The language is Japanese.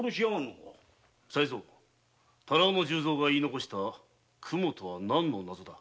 才三多羅尾の十蔵が言い残したクモとは何の謎だ？